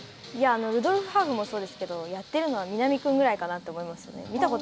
ルドルフハーフもそうですけどやっているのは南君ぐらいかなと思いますね。